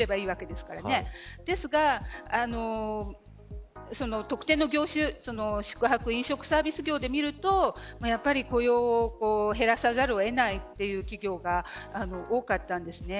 ですから、特定の業種宿泊・飲食サービス業で見ると雇用を減らさざるを得ないという企業が多かったんです。